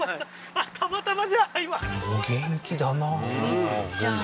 たまたまじゃあ今お元気だなああー